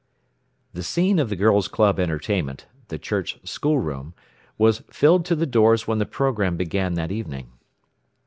The scene of the Girls' Club entertainment, the church school room, was filled to the doors when the program began that evening.